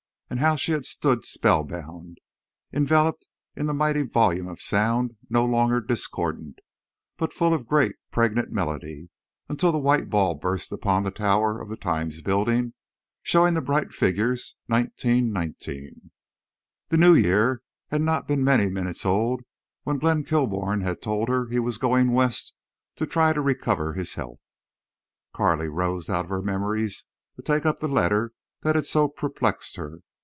And how she had stood spellbound, enveloped in the mighty volume of sound no longer discordant, but full of great, pregnant melody, until the white ball burst upon the tower of the Times Building, showing the bright figures 1919. The new year had not been many minutes old when Glenn Kilbourne had told her he was going West to try to recover his health. Carley roused out of her memories to take up the letter that had so perplexed her.